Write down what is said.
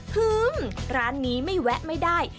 ร้านนี้ไม่แวะไม่ได้